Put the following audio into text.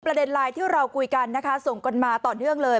ไลน์ที่เราคุยกันนะคะส่งกันมาต่อเนื่องเลย